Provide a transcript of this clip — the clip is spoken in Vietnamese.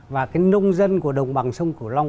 và cái nông dân của đồng bằng sông cửu long